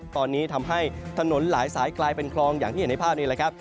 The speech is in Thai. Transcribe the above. ตอนนี้ทำให้ถนนหลายสายกลายเป็นคลองอย่างที่เห็นในภาพนี้แหละครับ